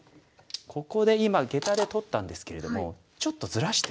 ここで今ゲタで取ったんですけれどもちょっとずらして。